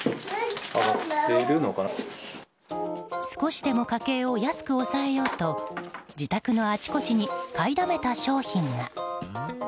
少しでも家計を安く抑えようと自宅のあちこちに買いだめた商品が。